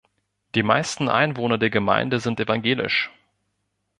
Die meisten Einwohner der Gemeinde sind evangelisch.